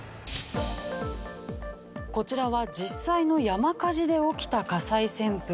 こちらは実際の山火事で起きた火災旋風です。